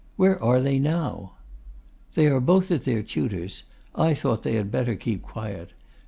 Where are they now?' 'They are both at their tutors'. I thought they had better keep quiet.